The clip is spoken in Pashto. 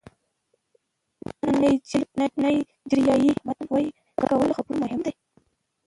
نایجیریايي متل وایي کار کول له خبرو مهم دي.